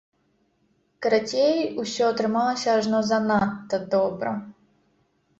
Карацей, усё атрымалася ажно занадта добра.